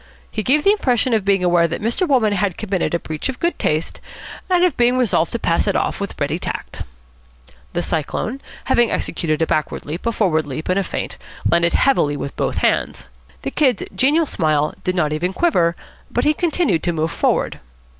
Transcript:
He gave the impression of being aware that Mr. Wolmann had committed a breach of good taste and of being resolved to pass it off with ready tact. The Cyclone, having executed a backward leap, a forward leap, and a feint, landed heavily with both hands. The Kid's genial smile did not even quiver, but he continued to move forward.